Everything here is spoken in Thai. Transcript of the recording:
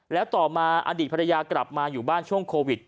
แล้วต่อมาอดีตภรรยากลับมาอยู่บ้านช่วงโควิด